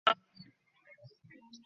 যদি ভাগ্য আমাদের সহায় হয়।